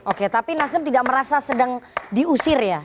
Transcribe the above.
oke tapi nasdem tidak merasa sedang diusir ya